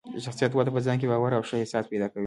د شخصیت وده په ځان کې باور او ښه احساس پیدا کوي.